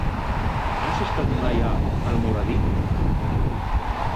Has estat mai a Almoradí?